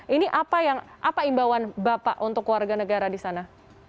ini apa imbauan bapak untuk warga negara di sana